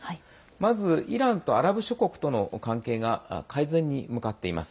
まず、イランとアラブ諸国との関係が改善に向かっています。